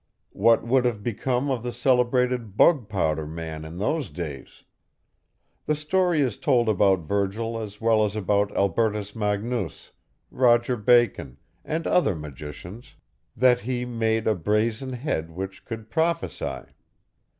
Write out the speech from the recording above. What would have become of the celebrated Bug Powder man in those days? The story is told about Virgil as well as about Albertus Magnus, Roger Bacon, and other magicians, that he made a brazen head which could prophesy.